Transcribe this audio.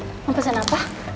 pak mau pesen apa